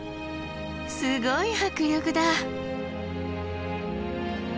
すごい迫力だ。